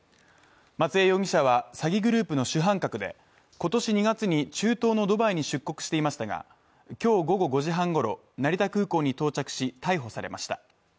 松江容疑者は、詐欺グループの主犯格で今年２月に中東のドバイに出国していましたが今日午後５時半ごろ、成田空港に到着し、逮捕されました。